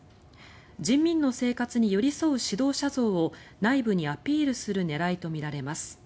人民の生活に寄り添う指導者像を内部にアピールする狙いとみられます。